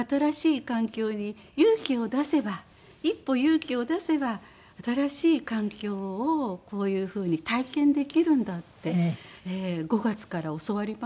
勇気を出せば一歩勇気を出せば新しい環境をこういう風に体験できるんだって５月から教わりました。